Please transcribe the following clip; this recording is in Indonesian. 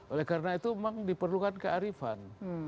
oleh karena itu memang diperlukan kearifan